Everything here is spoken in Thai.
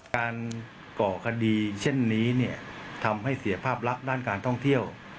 ก่อคดีเช่นนี้ทำให้เสียภาพลักษณ์ด้านการท่องเที่ยว